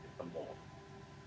itu yang pertama harus kita lakukan